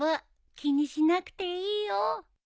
気にしなくていいよ。